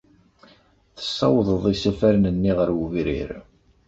Tessawḍeḍ isafaren-nni ɣer wegrir.